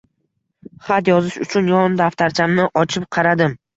Xat yozish uchun yon daftarchamni ochib qaradim